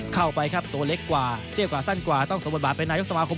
เข้าไปครับตัวเล็กกว่าเตี้ยกว่าสั้นกว่าต้องสวมบทบาทเป็นนายกสมาคม